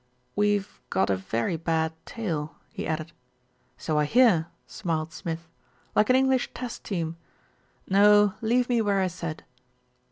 "We've got a very bad tail," he added. "So I hear," smiled Smith. "Like an English Test Team. No, leave me where I said."